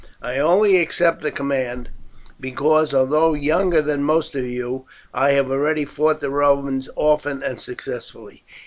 I only accept the command because, although younger than most of you, I have already fought the Romans often and successfully.